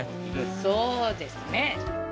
そうですね